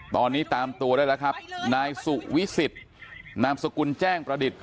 ตอนนี้ตามตัวได้แล้วครับนายสุวิสิตนามสกุลแจ้งประดิษฐ์